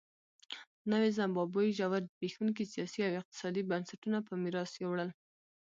نوې زیمبابوې ژور زبېښونکي سیاسي او اقتصادي بنسټونه په میراث یووړل.